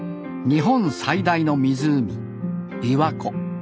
日本最大の湖びわ湖。